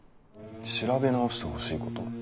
調べ直してほしいこと？